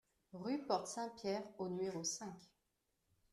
Rue Porte Saint-Pierre au numéro cinq